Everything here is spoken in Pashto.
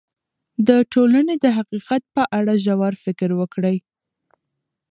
د ټولنې د حقیقت په اړه ژور فکر وکړئ.